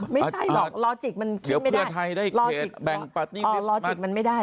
ไม่ใช่หรอกล็อจิกมันคิดไม่ได้